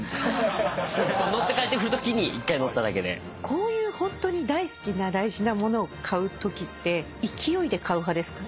こういうホントに大好きな大事なものを買うときって勢いで買う派ですか？